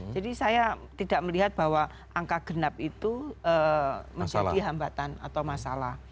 jadi saya tidak melihat bahwa angka genap itu menjadi hambatan atau masalah